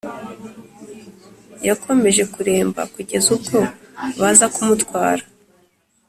Yakomeje kuremba kugeza ubwo baza kumutwara